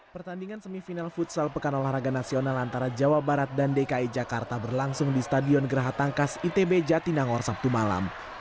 pertandingan semifinal futsal pekan olahraga nasional antara jawa barat dan dki jakarta berlangsung di stadion geraha tangkas itb jatinangor sabtu malam